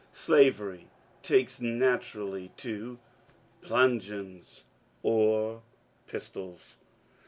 Slavery takes naturally to bludgeons or pistols.